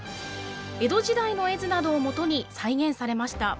江戸時代の絵図などを基に再現されました。